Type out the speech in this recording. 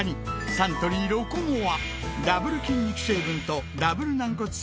サントリー「ロコモア」！